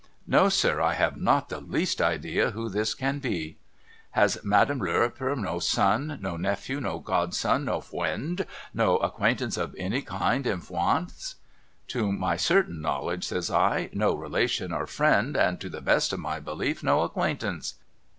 No sir I have not the least idea who this can be.' ' Has Madame Lirrwiper no son, no nephew, no godson, no frrwiend, no acquaintance of any kind in Frrwance ?'' To my certain knowledge ' says I ' no relation or friend, and to the best of my belief no acquaintance.'